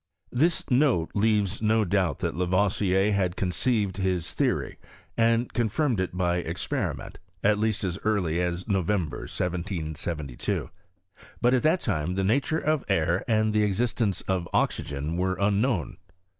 This note leaves no doubt that Lavoisier had con ceived his theory, and confirmed it by experiment, at least as early as November, 1772. But at that time the nature of air and the existence of oxygen were unknown.